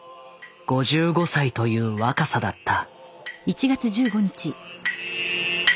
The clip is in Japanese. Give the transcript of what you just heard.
５５歳という若さだった。